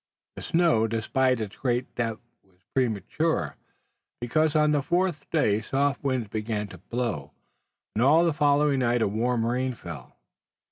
The snow despite its great depth was premature, because on the fourth day soft winds began to blow, and all the following night a warm rain fell.